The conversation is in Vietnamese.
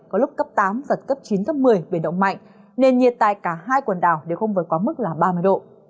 có lúc cấp tám giật cấp chín cấp một mươi biển động mạnh nên nhiệt tại cả hai quần đảo đều không vượt quá mức là ba mươi độ